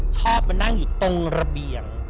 ชอบมานั่งอยู่ตรงระเบียง